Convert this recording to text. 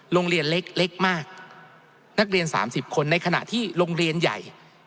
โรงเรียนเล็กมากนักเรียน๓๐คนในขณะที่โรงเรียนใหญ่